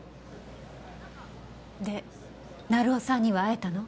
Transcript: で成尾さんには会えたの？